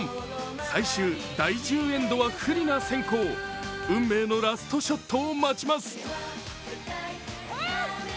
最終第１０エンドは不利な先行運命のラストショットを待ちます。